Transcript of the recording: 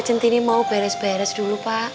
centini mau beres beres dulu pak